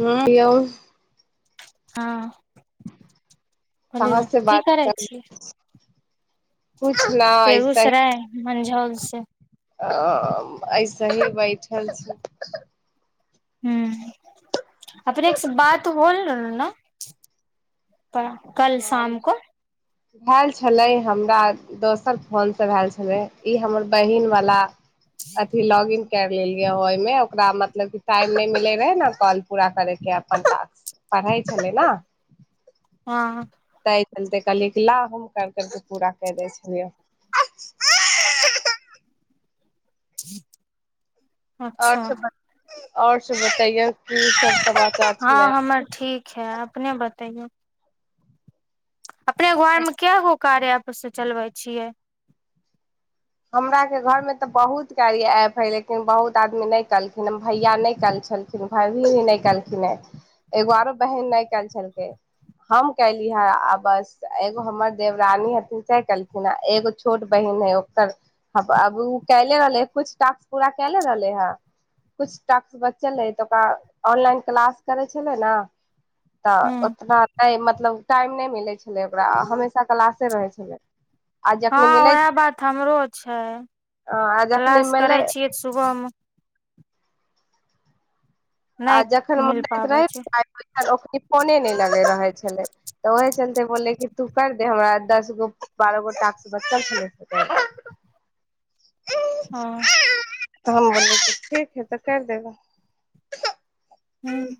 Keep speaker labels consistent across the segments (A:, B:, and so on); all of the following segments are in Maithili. A: हूं यव
B: हँ
A: कहाँ
B: बोलियौ
A: से
B: की
A: बात कर कुछ न ऐसे
B: बेगुसराय मंझौउ से
A: आ ऐसही बैठल छी।
B: हूँ अपने स बात होल रहे ह कल
A: हम
B: शाम को।
A: भेल छलै हमरा दोसर फोनसँ भेल छलै ई हमर बहीन वला अथि लॉग इन कर लेलियै ओहिमे ओकरा मतलब टाइम नहि मिलै रहै ने कॉल पूरा करैके अपन पढ़ै छलै ने
B: हँ
A: तय चलते कहलियै ला हम कर करके पूरा क दै छलियै
B: ठीक
A: आओर
B: अच्छा
A: सब बत- आओर सब बतैयए की सब समाचार छलै
B: हँ हमर ठीक है अपने बतैयौ अपने बारे में काएगो कार्य एप्प से चलबै छियै
A: हमरा के घरमें तऽ बहुत क ऐप हे लेकिन बहुत आदमी नहि कलखिन हे भैया नहि कल छलखिन भीनी नहि केलखिन हे एगो आरो बहिन नहि कल छलकै हम कली हे आ बस एगो हमर देवरानी हथिन तै केलखिन हे एगो छोट बहिन हे ओकरर आ आब ओ कले रहले ह कुछ टास्क पूरा कले रहले हे कुछ टास्क बच्चले तऽ ओकरा ऑनलाइन क्लास करै छले ने तऽ
B: हूँ
A: ओतना मतलब मतलब टाइम नहि मिलै छलै ओकरा हमेशा क्लासे रहै छलै आ जखनी
B: हँ
A: मिलै
B: उएह
A: छै
B: बात हमरो छै क्लास करै छियैऽ सुबहमे
A: आ
B: नहि
A: जखन
B: मिल
A: म
B: पाबै छै
A: रह ओ फोने नहि लगे रहे छलेय तऽ ओह चलते बोलले कि तू कर दे हमरा दस गो बारह गोाक टॉक्स -
B: हँ
A: ठीक है तऽ कर देब
B: हुँ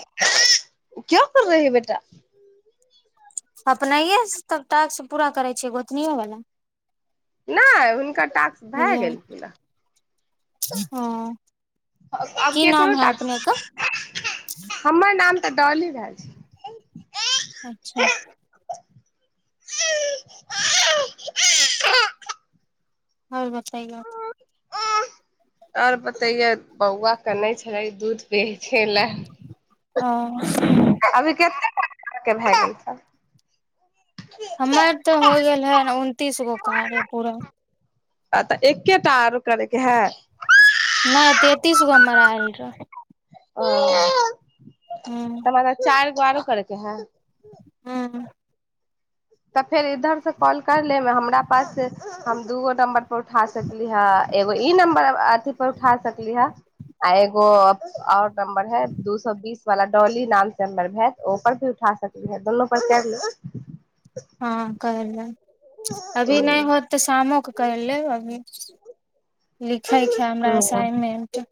A: क्या कर रहे है बेटा
B: अपनाए सँ टास्क पूरा करै छियै गोतनओवला
A: नहि हुनकर टास्क भए गेल
B: हँ
A: आब
B: की
A: केकरो
B: नाम है अपने के
A: टॉक्स हमर नाम तऽ डली भए छै
B: अच्छा
A: [unintelligible]
B: आओर बतैइयो
A: आर बतैेयो बौआ कने छै नहि छले दूध पी छलाह
B: ओ
A: अभी भी कतेक अहाँ कें भए गेल हन
B: हमर तऽ हो गेल है उनतीस गो कार्य पूरा
A: आ तऽ एकेटा आरो करैके है
B: नहि तेंतीस ग हमरा आएल रहे
A: ओ त
B: हूँ
A: मने चारगो आरो करके है
B: हुँ
A: तऽ फेर इधर से कॉल कर लेब हमरा पास से हम दूगो नम्बर पर उठा सकली हे एगो ई नम्बर अथी पर उठा सकली हे आ एगो आओर नम्बर है दू सए बीस वाला डॉली नाम से नर पर भी उठा सकली है दुोनू पर कर ले
B: हँ करै अभी नहि होत तऽ शामो कइले होथिन [unintelligible] लिखैके ह हमरा
A: हँ
B: असाइनमेंट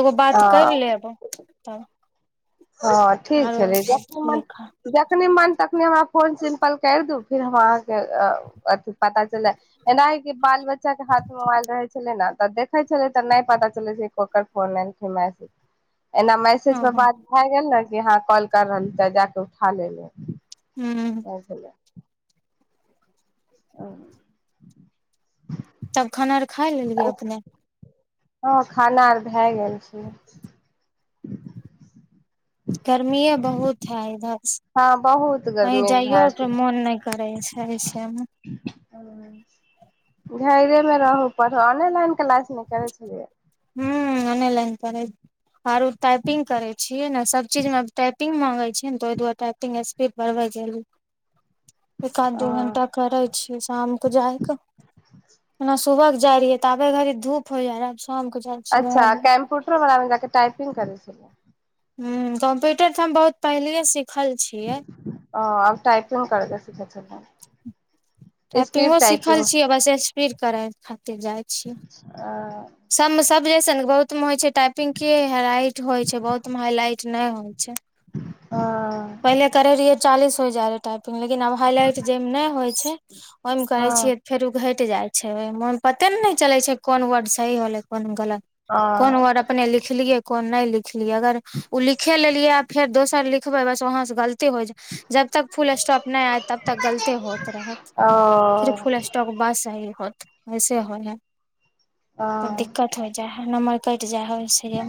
B: एगो बात करि
A: हँ
B: लेब तऽ
A: हँ ठीक छलै जखनी मन
B: लिखा
A: जखनी मन त जखनी हमरा फोन सिम्पल कर दू फिर हम अहाँ के अथि पता चल एना है के बाल बच्चा बच्चाके हाथ मे मोबइल रहै छलै न तऽ देखै छलै तऽ नहि पता चलै छै ककर फोन एल मैसेज एना मैसेज
B: हँ
A: मे
B: हँ
A: बात गेल ने कि यहाँ कॉल कर रहल ते जााक उठा ले ले
B: हूँ
A: आएल छलय ओ
B: त खाना आर खा लेलियै अपने
A: हँ खाना आर भए गेल छै
B: गर्मीए बहुत है इधर
A: हँ बहुत
B: कही
A: गर्मी
B: जाइयो
A: भए छै
B: त मोन नहि करै छै ऐसेमे
A: घरेमे रहू पढ़ ऑनलान क्लास नहि करै छलियै
B: हूँ ऑन लाईन करै आर उ टाइपिंग करे छीये ने सब चीज में टाइपिंग में त ओहि दुआरे स्पीड बढ़बै छलीय एक आध दू घण्टा करै छियै शाम के जाइके एना सुबहके जाय रहियै तऽ आबे घड़ी धूप होई जाय रहय
A: अच्छा कम्प्यूटर बला मे टाइप करै छल
B: ह कम्प्यूटर तऽ हम बहुत पहिल सँ
A: ओ आब टाइपो करबै जप
B: टाइपिंगो सिखल छियै बस स्पीड करै ओते जाइ छियै
A: हँ
B: सब मे सब जैसन बहुत मे होइ छै टाइपिंग के हाइलाइट होइ छै बहुत मे हाइलाइट नहि होइ छै
A: हँ
B: पहिले करय रहियै चालीस हो जाय रहे टाइपिंग लेकिन आब हाइलाइट जे मे नहि होइ छै ओहि मे कहय
A: हँ
B: छियै फेरउ घट जाइ छै ओहिमे पते ने नहि चले छै कोन वर्ड सही होलै कोन गलत कोन वर्ड अपने लिखलियै कोन नहि लिख लिखलियै अगर ओ लिखे लेलियै फेर दोसर लिखबै बस वहाँं से गल ती हो जा जब तक फुल स्टॉक नहि आय तब तक गलती होइत रहत फिर
A: ओ
B: फुल स्टॉक बस सही होत वैसे होइ है तऽ
A: हँ
B: दिक्कत हो जाइ है नमर मिटजाय होइ सी हे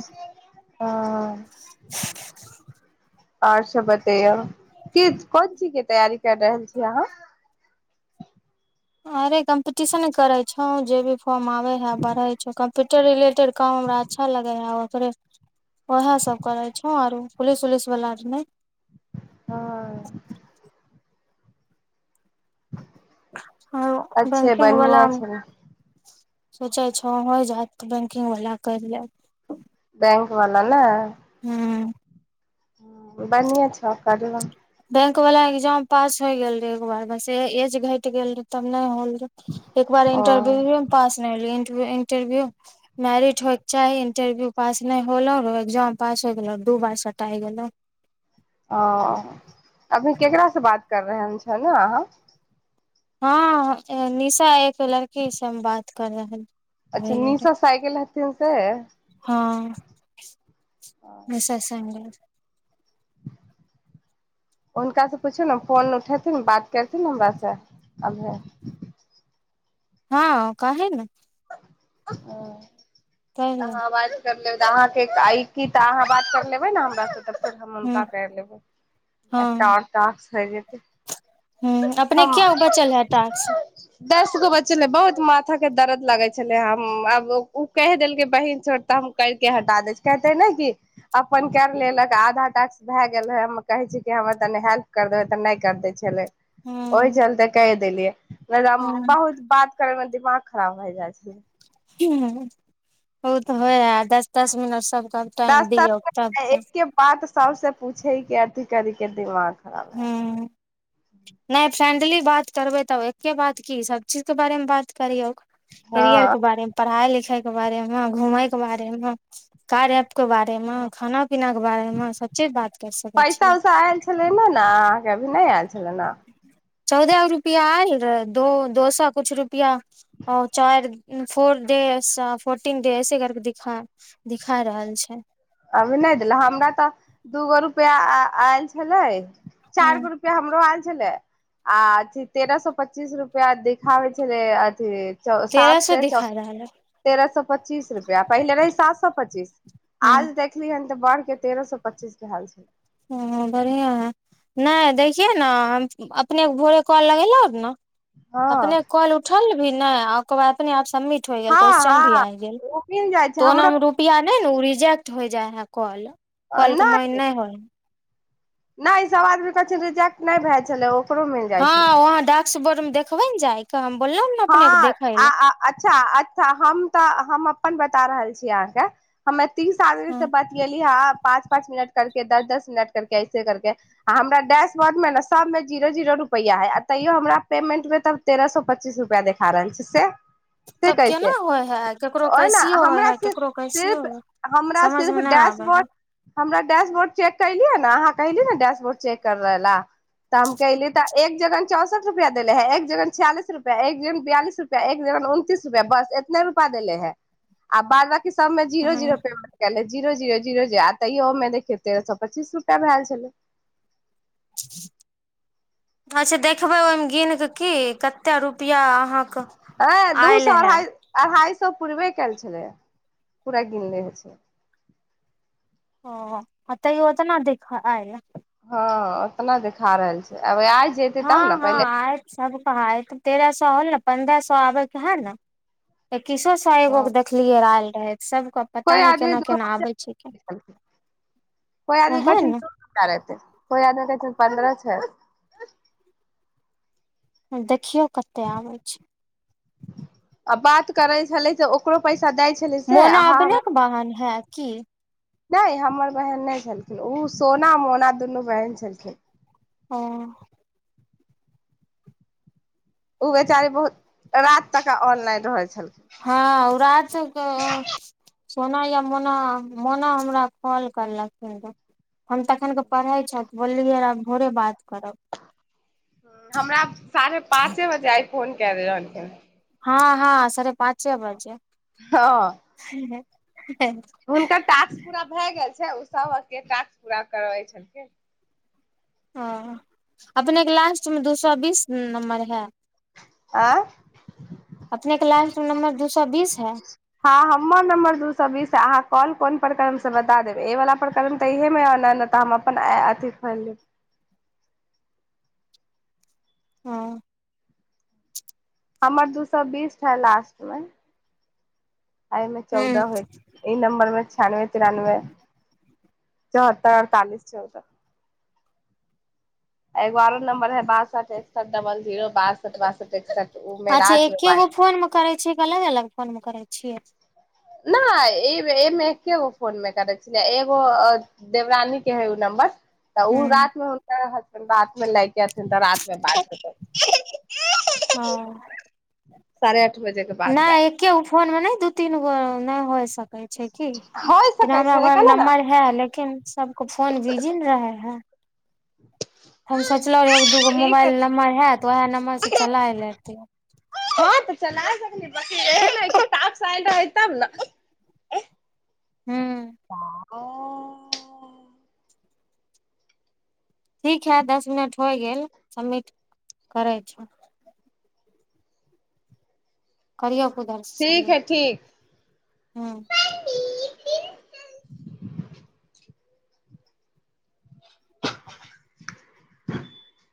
A: हँ आओर सब बतैयौ कि कोन चीज के तैयारी कर रहल छी अहाँ
B: अरे कम्पिटिशन करै छौं जे भी फार्म आबै है भरय छौं कम कम्प्यूटर रिलेटेड काम हमरा अच्छा लगै है ओकरे ओएह सब करै छौ आरो पुलिस उलिस बला आर नहि
A: हँ
B: आरो
A: अच्छे
B: बैंकिंग वला
A: बढ़ियां छै
B: सोचै छौं हो जाइत बैंकिंग वला करि लेब
A: बैंक वाला ने
B: हँ
A: बढ़िआ छ करलौ
B: बैंक वाला एग्जाम पास होय गेल रहे एक बार बस ऐज घटि गेल रहे तब ने होल एक बार
A: ओ
B: इन्टरव्यूओमे पास नहि भेलियै इन्टरव्यू मैरिट होयके चाही इन्टरव्यू पास नहि होलौ एग्जाम पास होय गेलौ दू बार सटाय गेलहु
A: ओ अभी केकास से बात कर रहले छ ने अहाँ
B: हँ निशा एक लड़की से हम बात कर रहले
A: अच्छा
B: वर
A: निशा साइकिल हथिन से
B: हँ बस सग
A: हनकास से पूछो ने फोन उठेथिे न बात करथि न हमरास से अभी
B: हँ काह ने
A: ओ
B: कहले
A: ह बाजे ल तऽ अहाँकेइ की तऽ अहाँ बात कर लेबै ने हमरासँ तऽ फर हम हुनका
B: हूँ
A: कर लेबै हो जेतै
B: ह अपने क्या
A: हम
B: बचल है टस
A: दस गो बच्चे ल बहुत माथा के दर्द लगे छले हम आब ओ कहि देलकै बहिन छोट तऽ हम कर के हटा दे छ कहते ने की अपन कर लेलक आधा टास्क भए गेल रहे हम कहे छी कि हमर तनी हेल्प कर देबे तऽ नहि कर देै छले ओहि
B: हूँ
A: चलते कै सेलिये बहुत बात करैमे भ खराब भ जा छै
B: बहु त होइ हइ दस दस मिनट सब
A: दस दस एकके बात सब से पूछे ह कथ कदी क दिमार खराब भएत
B: हूँ नहि फ्रेंडली बात करबे तब एके बात की सब चीज के बारे मे बात करीौ
A: हँ
B: एरके बार पइल देखे के बारे मे घूमय के बारे मे कार्य के बारेमे खाना पीनाके बारेमे सभचीज बात करि सकै
A: पैसा
B: छियै
A: उसा आयल छलै ने ने अहाँके अभी नहि आयल छलै ने
B: चौदह रुपआ आय दो दो सए कुछु रुपआ चार फोर डेज फोर्टीन डेज ऐसे करके दा दिखा रहल छै
A: अभी नहि देल हमरा तऽ दूगो रुपआ आयल छलै
B: ह
A: चारगो रुपआ हमरो आाल छै छल आ अथ तेरह सए पच्चीस रुपआ देखाबै छलै अथी
B: तेरह
A: सात
B: सौ
A: से च
B: दिखा रहल है
A: तेरह सए पच्चीस रुपैआ पहिले रहै सात सए पच्चीस आज देखली हन बढ़ के तेरह सए पच्चीस के हाल छै
B: ओ बढ़िआँ है नहि देखियै ने हम अपनेके भोरे कल लगेलहु ने
A: हँ
B: अपने कॉल उठेलहुँ भ नहि आकर इतनी सँ समिट होईया
A: हँ
B: कोहचन भी
A: हँ
B: आएगेल
A: ओ मिल जाइ छै हमरो
B: नहि ने ओ रिजेक्ट होइ जाइ हँ कॉल कॉलक मैइन नहि होय
A: नहि सब आदमी कहै छै रिजेक्ट नहि भए छलै ओकरो मिल जाइ छलै
B: हँ वहाँ डाक्स बोर्ड मे देखबे ने चाहि काम
A: हँ अच्छा अच्छा हम तऽ हम अपन बता रहल छी अहाँके हमे तीस आदमी
B: ह
A: सँ बतएलिए पाँच पाँच मिनट कर दस दस मिनट कर ऐसे कर हमरा डैशबोर्ड मे ने सब जीरो जीरो रुपआ है तैयो हमरा पेमेंट में त तेरह स पच्चीस रूप उहा देखा रहल छै से से
B: तब केना
A: कैसे
B: होइ हइ ककरो
A: ओहिना
B: कैसिओ होइ
A: हमरा
B: हइ
A: सिर्फ
B: ककरो
A: सिर्फ
B: कैसियो होइ हइ
A: हमरा सिर्फ
B: समझमे नहि आबै
A: डैशबोर्ड
B: हइ
A: हमरा डैश बोर्ड चेक कलिे ने अहाँ कल न डैश बोर्ड चेक करे ले ते हम कली त एक जगन चौंसठ रुपआ देले हे एक जगन छियालिस रुपया एक जन बियालिस रुपआ एक जन उनतीस रुपैआ बस इतने रुपआ देले है आ बाद सब मे जीरो
B: हूँ
A: जीरो पेमेंट कले जीरो जीरो जीरो आ तैयो ओमे देखियौ तेरह सए पच्चीस रुपआ भए छलै
B: अच्छा देखबै ओहिमे गिन कऽ की कतेक रुपआ अहाँके
A: हँ दू
B: आयल
A: सए
B: हे
A: अढ़ाइ अढ़ाइसए दु सौ पूुरबे कयल छलै पूरा गिनले छै
B: ओ हँ तयौ उतना देख आयल
A: हँ ओतना देखा रहल छै आब आय
B: हँ हँ आयत सब ह तऽ तेरह सए होल ने पन्द्रह सए आबे के है ने बीशो सा एगो के
A: हँ
B: देखलियै र आयल रहे सबके पता
A: कोइ
B: नहि
A: आदमी
B: केना
A: कोइ
B: केना आबै छै
A: आदमी
B: ओएह
A: कहै
B: ने
A: रहै कोइ आदमी कहै पन्द्रह छै
B: देखियौ कतेक आबै छी
A: आ बात करै छले तऽ ओकरो पैसा दै छलै से
B: मोनो
A: अहाँ हमरा
B: अबनेक बाहन है की
A: नहि हमर बहन नहि छलखिन ओ सोना मोना दुनू बहन छलखिन
B: हुँ
A: उ बेचारी बहुत रात तक अनलइन रहै छै
B: हँ रात सोना या मोना मोना हमरा कॉल करलखिन रऽ हम तखन के पढ़े छ बोललियै र भोरे बात करब
A: हमरा साढ़े पाँचे बजे आय कोन क रहलानके
B: हँ हँ सरे पाँच च बाजे
A: हँ
B: ह
A: हुनकर टास्क पूरा भए गेल छै सबक के ास् पूरा करै छलख
B: ह अपनेके लास्ट मे दू सए बीस नम्बर है
A: ह
B: अपने के लास्ट नम्बर दू सए बीस है
A: हमर नमर दू सए बीस अहाँ कोन कोन प्रक्रम से बता देब एहि वला प्रकर्रम तऽ इहेमे नहि ने तऽ हम अपन अथिी खोलि लेब
B: हँ
A: हमर दू सए बीस छैै लास्टमे एहिमे चौदह
B: ह
A: हो ई नम्बर मे छियानबे तिरानबे चौहत्तर अड़तालिस चौतर एगो आारो नंबर है बासठ एकसठ बल जीरो बासठ बासठ एकसठ उ मे
B: अच्छा
A: रात मे
B: एकेगो
A: बात
B: फोन मे करै छियै कि अलग अलग फोन मे करै छियै
A: नहिमे एकेगो फोन मे करै छल एगो देवरानी के है ओ नम्बर तऽ
B: ह
A: ओ रति मे हुनका रात मे लैके अथिन तऽ रति मे बाततै
B: हँ
A: सारे द बजे के बाद ब
B: फोन मे ने दू तीन गो नहि होइ सक कहै छै क
A: होइ
B: जेना
A: सकै
B: हमरा
A: छै देखै
B: घर
A: ने
B: नम्बर है लेकिन सबको फोन भजी ने रहे है हम सोचलहुँ रह एगो दूगो
A: ठीक है
B: मोबाइल नम्बर हए तऽ उएह नम्बरसँ चलाय लेत
A: हँ तऽ चला सकल रहै
B: हूँ
A: तब ने
B: ठीक हइ दस मिनट होय गेल सबमिट करै छ कर कुदर्
A: ठीक है ठीक
B: ह
A: [inaudible]